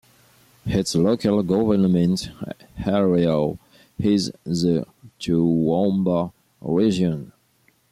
Its local government area is the Toowoomba Region.